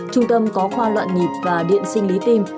trung tâm có khoa loạn nhịp và điện sinh lý tim